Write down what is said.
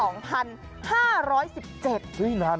นานแล้วน่ะ